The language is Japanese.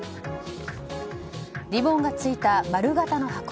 リボンがついた丸形の箱。